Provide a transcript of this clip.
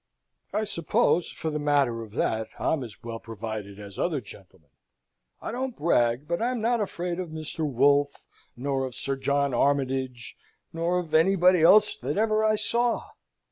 I suppose, for the matter of that, I'm as well provided as other gentlemen. I don't brag but I'm not afraid of Mr. Wolfe, nor of Sir John Armytage, nor of anybody else that ever I saw.